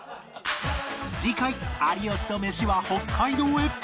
次回「有吉とメシ」は北海道へ